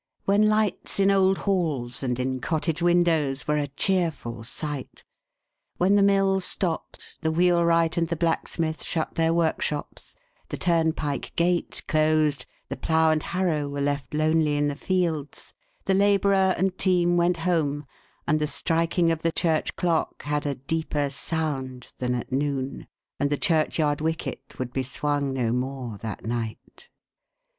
When lights in old halls and in cottage windows, were a cheerful sight. When the mill stopped, the wheelwright and the blacksmith shut their workshops, the turnpike gate closed, the plough and harrow were left lonely in the fields, the labourer and team went home, and/ the striking of the church clock had a deeper sound than at noon, and the churchyard wicket would be swung no more that night.